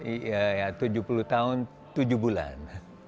iya tujuh puluh tahun tujuh bulan